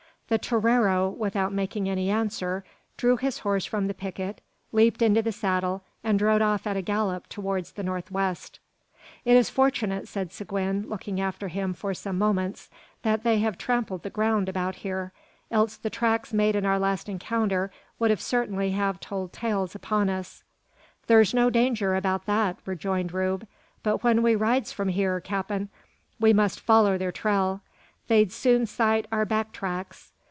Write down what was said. The torero, without making any answer, drew his horse from the picket, leaped into the saddle, and rode off at a gallop towards the north west. "It is fortunate," said Seguin, looking after him for some moments, "that they have trampled the ground about here, else the tracks made in our last encounter would certainly have told tales upon us." "Thur's no danger about that," rejoined Rube; "but when we rides from hyur, cap'n, we mustn't foller their trail. They'd soon sight our back tracks.